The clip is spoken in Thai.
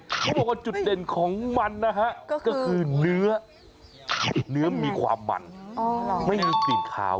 เขาบอกว่าจุดเด่นของมันนะฮะก็คือเนื้อไข่เนื้อมีความมันไม่มีกลิ่นขาว